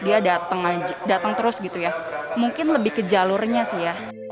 dia datang terus gitu ya mungkin lebih ke jalurnya sih ya